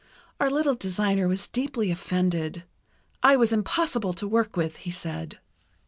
Our little designer was deeply offended. I was impossible to work with, he said.